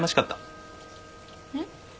えっ？